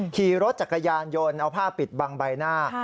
ขี่รถจักรยานยนต์เอาผ้าปิดบังใบหน้า